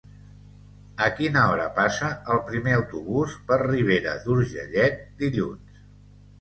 A quina hora passa el primer autobús per Ribera d'Urgellet dilluns?